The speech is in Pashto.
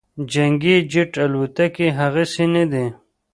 جنګي جیټ الوتکې هغسې نه دي